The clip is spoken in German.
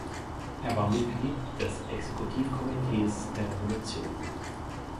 Er war Mitglied des Exekutivkomitees der Revolution.